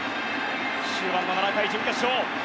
終盤の７回準決勝。